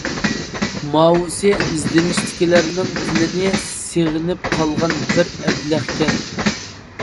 ماۋۇسى ئىزدىنىشتىكىلەرنىڭ تىلىنى سېغىنىپ قالغان بىر ئەبلەخكەن.